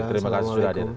terima kasih sudahadir